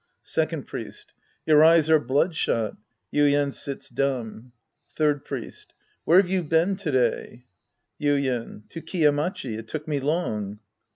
Second Priest. Your eyes are bloodshot. (Yuien sits dumb.) Third Priest. Where' ve you been to day ? Yuien. To Kiya Machi. It took me long.